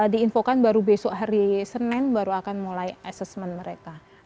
diinfokan baru besok hari senin baru akan mulai assessment mereka